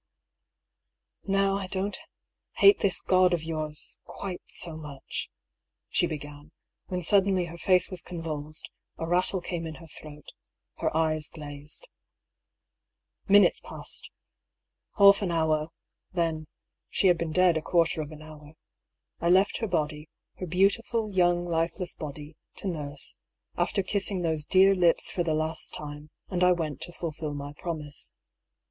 " Now I don't hate this God of yours quite so much," she began, when suddenly her face was convulsed, a rattle came in her throat, her eyes glazed. Minutes passed — ^half an hour ; then (she had been dead a quarter of an hour) I left her body, her beautiful young lifeless body, to Nurse, after kissing those dear, lips for the last time, and I went to fulfil my promise.